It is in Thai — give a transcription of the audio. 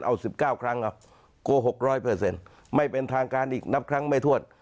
เอา๑๙ครั้งเอาโกหกร้อยเปอร์เซ็นต์ไม่เป็นทางการอีกนับครั้งไม่ทวด